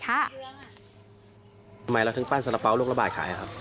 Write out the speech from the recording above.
ทำไมเราถึงปั้นซาละเป่าลูกละบ่ายขายครับ